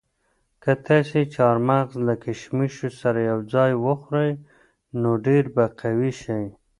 که تاسي چهارمغز له کشمشو سره یو ځای وخورئ نو ډېر به قوي شئ.